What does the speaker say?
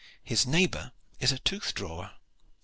His neighbor is a tooth drawer.